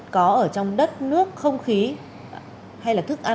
có ở trong đất nước không khí hay là thức ăn